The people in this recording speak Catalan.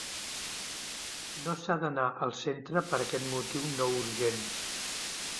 No s'ha d'anar al centre per aquest motiu no urgent.